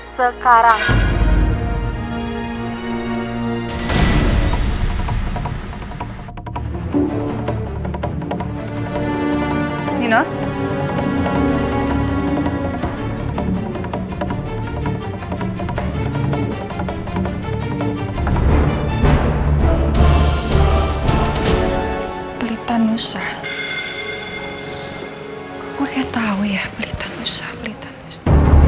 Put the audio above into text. kok gue kayak tau ya pelitanusa pelitanusa